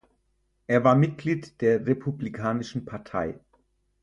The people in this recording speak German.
Er war Mitglied der Republikanischen Partei.